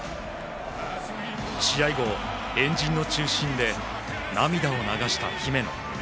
試合後、円陣の中心で涙を流した姫野。